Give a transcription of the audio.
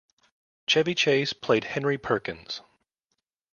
Chevy Chase played Henry Perkins.